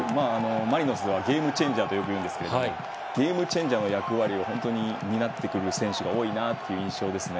マリノスではゲームチェンジャーとよく言いますがゲームチェンジャーの役割を担っている選手が多いなという印象ですね。